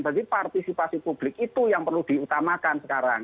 jadi partisipasi publik itu yang perlu diutamakan sekarang